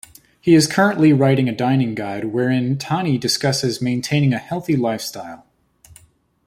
He is currently writing a dining guide wherein Tani discusses maintaining a healthy lifestyle.